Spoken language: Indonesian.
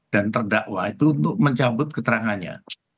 dan terdakwa itu untuk mencabut keterangannya